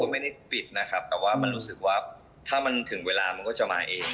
คือไม่ได้เปิดมันไม่ได้ปิดแต่ว่ามันถึงเวลาจะมาเอง